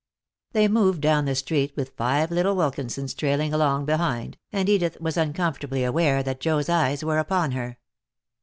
They moved down the street, with five little Wilkinsons trailing along behind, and Edith was uncomfortably aware that Joe's eyes were upon her.